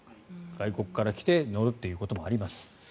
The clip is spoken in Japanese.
外国から来て乗るということもあります。